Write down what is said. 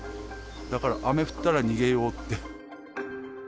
だから、雨降ったら逃げようって。